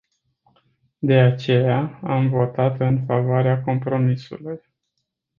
De aceea, am votat în favoarea compromisului.